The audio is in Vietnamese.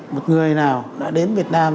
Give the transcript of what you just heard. một người nào đã đến việt nam